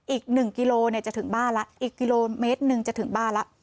อีกหนึ่งกิโลเนี่ยจะถึงบ้านละอีกกิโลเมตรนึงจะถึงบ้านละ